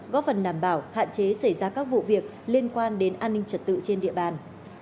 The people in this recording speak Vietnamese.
góp phần đảm bảo hạn chế xảy ra các vụ việc liên quan đến an ninh trật tự trên địa bàn